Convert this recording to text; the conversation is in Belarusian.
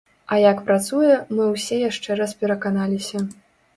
А як працуе, мы ўсе яшчэ раз пераканаліся.